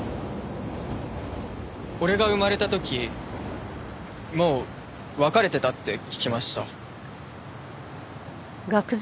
俺が生まれた時もう別れてたって聞きました。